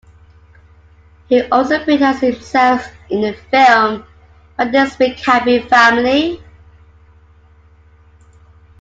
He also appeared as himself in the film "Madea's Big Happy Family".